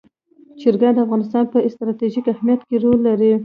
چرګان د افغانستان په ستراتیژیک اهمیت کې رول لري.